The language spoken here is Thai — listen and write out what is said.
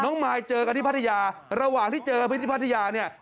น้องมายเจอกันที่พัทยาระหว่างที่เจอพัทยาเนี่ย